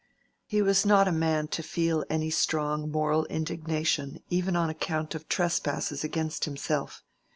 He was not a man to feel any strong moral indignation even on account of trespasses against himself.